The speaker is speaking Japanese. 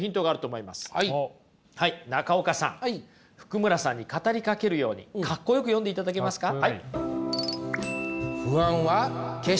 福村さんに語りかけるようにかっこよく読んでいただけますか？